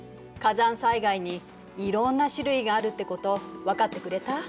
火山災害にいろんな種類があるってこと分かってくれた？